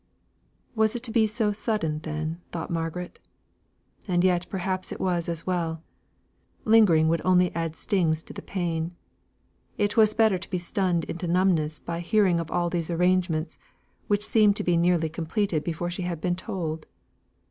Was it to be so sudden then? thought Margaret; and yet perhaps it was as well. Lingering would only add stings to the pain; it was better to be stunned into numbness by hearing of all these arrangements, which seemed to be nearly completed before she had been told.